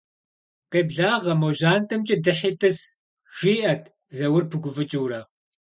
Къеблагъэ, мо жьантӏэмкӏэ дыхьи тӏыс, - жиӏэт Заур пыгуфӏыкӏыурэ.